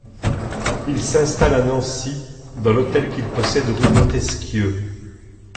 Il s'installe à Nancy dans l'hôtel qu'il possède rue Montesquieu.